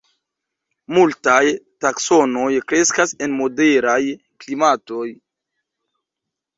Multaj taksonoj kreskas en moderaj klimatoj.